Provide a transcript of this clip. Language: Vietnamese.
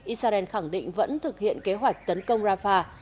israel khẳng định vẫn thực hiện kế hoạch tấn công rafah